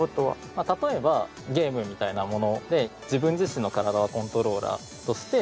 まあ例えばゲームみたいなもので自分自身の体をコントローラーとして。